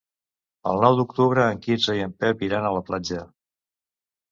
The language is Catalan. El nou d'octubre en Quirze i en Pep iran a la platja.